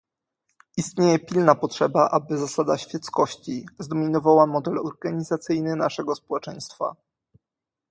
Istnieje pilna potrzeba, aby zasada świeckości zdominowała model organizacyjny naszego społeczeństwa